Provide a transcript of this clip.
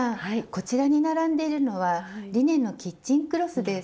こちらに並んでいるのはリネンのキッチンクロスです。